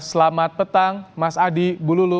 selamat petang mas adi bu lulu